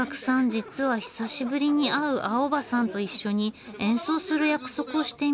実は久しぶりに会う青葉さんと一緒に演奏する約束をしていました。